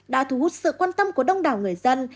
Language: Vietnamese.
đã thu hút sự quan tâm của đông đảo người dân